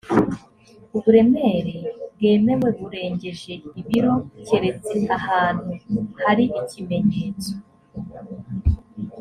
uburemere bwemewe burengeje ibiro keretse ahantu hari ikimenyetso